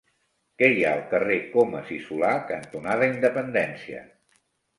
Què hi ha al carrer Comas i Solà cantonada Independència?